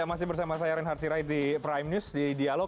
masih bersama saya reinhard sirait di prime news di dialog